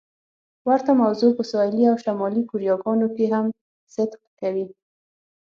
ورته موضوع په سویلي او شمالي کوریاګانو کې هم صدق کوي.